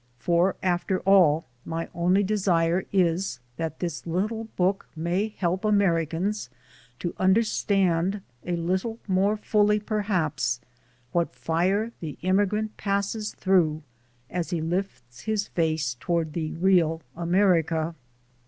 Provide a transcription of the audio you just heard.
For after all my only desire is that this little book may help Americans to under stand, a little more fully perhaps, what fire the im migrant passes through as he lifts his face toward the real America.